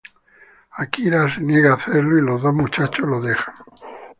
Akira se niega a hacerlo y los dos muchachos lo dejan.